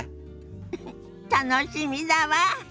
ウフ楽しみだわ！